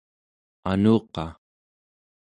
anuqaᵉ